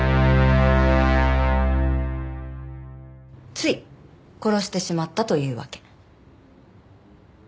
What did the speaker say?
つい殺してしまったというわけ。